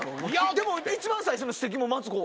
でも一番最初の指摘もマツコやもんな。